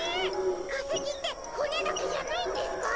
かせきってほねだけじゃないんですか？